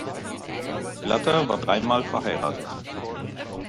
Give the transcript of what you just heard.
Blatter war dreimal verheiratet.